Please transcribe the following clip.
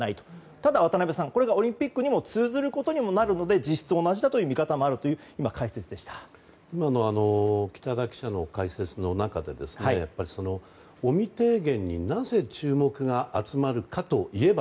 ただ、渡辺さんこれがオリンピックにも通ずることにもなるので実質、同じという見方にもなるという北田記者の解説の中で尾身提言になぜ注目が集まるかといえば